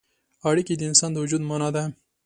اړیکه د انسان د وجود معنا ده.